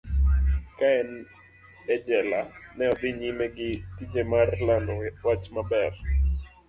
Ka en e jela, ne odhi nyime gi tije mar lando wach maber.